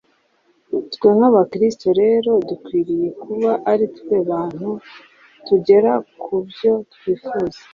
Twe nk’abakristo rero dukwiriye kuba ari twe bantu tugera ku byo twifuza